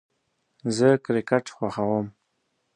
زه کرکټ خوښوم